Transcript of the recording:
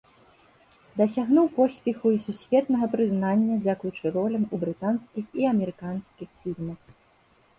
Дасягнуў поспеху і сусветнага прызнання дзякуючы ролям у брытанскіх і амерыканскіх фільмах.